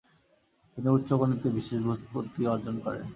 তিনি উচ্চগণিতে বিশেষ ব্যুৎপত্তি অর্জন করেন।